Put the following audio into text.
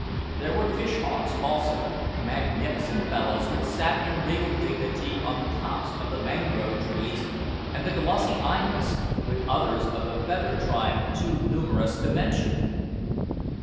There were fish hawks also, magnificent fellows, which sat in regal dignity on the tops of the mangrove trees, and the glossy ibis, with others of the feathered tribe too numerous to mention.